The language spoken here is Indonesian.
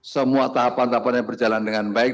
semua tahapan tahapannya berjalan dengan baik